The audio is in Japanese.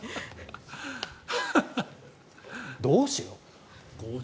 どうしよう。